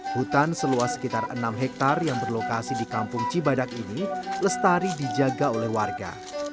hutan seluas sekitar enam hektare yang berlokasi di kampung cibadak ini lestari dijaga oleh warga